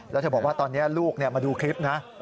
แล้วเธอบอกว่าตอนนี้ลูกมาดูคลิปนะ